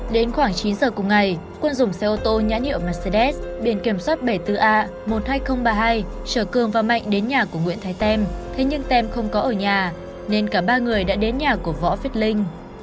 đến khoảng chín giờ cùng ngày quân dùng xe ô tô nhãn hiệu mercedes biển kiểm soát bảy mươi bốn a một mươi hai nghìn ba mươi hai chở cường và mạnh đến nhà của nguyễn thái tem thế nhưng tem không có ở nhà nên cả ba người đã đến nhà của võ viết linh